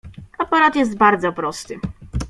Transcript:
Aparat jest bardzo prosty.